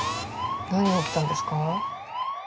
何が起きたんですか？